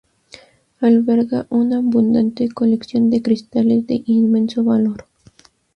Alberga una abundante colección de cristales de inmenso valor.